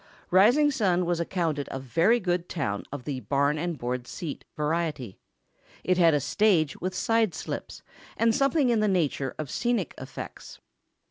Risingsun was accounted a very good town of the barn and board seat variety. It had a stage with side slips, and something in the nature of scenic effects.